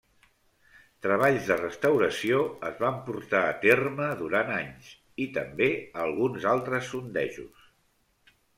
Treballs de restauració es van portar a terme durant anys i també alguns altres sondejos.